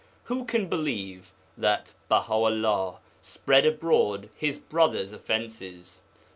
Who can believe that Baha 'ullah spread abroad his brother's offences?